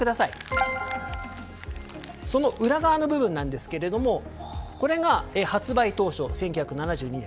その裏側の部分なんですがこれが発売当初、１９７２年。